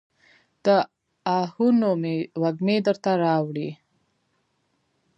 د آهونو مې وږمې درته راوړي